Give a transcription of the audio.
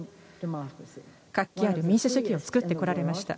活気ある民主主義を作ってこられました